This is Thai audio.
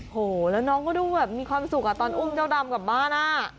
โหแล้วน้องก็ดูแบบมีความสุขอ่ะตอนอุ้มเจ้าดำกลับบ้านอ่ะ